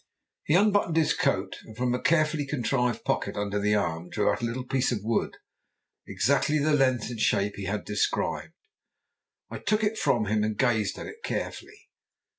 He unbuttoned his coat, and from a carefully contrived pocket under the arm drew out a little piece of wood of exactly the length and shape he had described. I took it from him and gazed at it carefully.